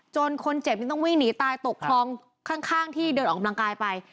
คนเจ็บนี้ต้องวิ่งหนีตายตกคลองข้างที่เดินออกกำลังกายไป